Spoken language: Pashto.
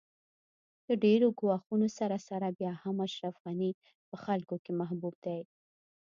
د ډېرو ګواښونو سره سره بیا هم اشرف غني په خلکو کې محبوب دی